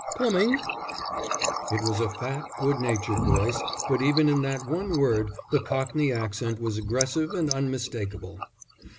"Coming!" It was a fat, good natured voice, but even in that one word the cockney accent was aggressive and unmistakable.